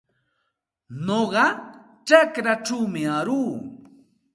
Nuqa chakraćhawmi aruu.